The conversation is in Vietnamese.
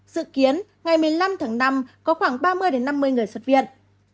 dự kiến ngày một mươi năm tháng năm có khoảng ba mươi năm mươi người xuất viện